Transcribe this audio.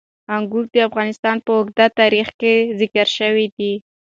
انګور د افغانستان په اوږده تاریخ کې ذکر شوی دی.